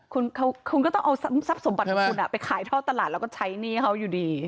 คุณก็ต้องเอาทรัพย์สมบัติของคุณไปขายท่อตลาดแล้วก็ใช้หนี้เขาอยู่ดี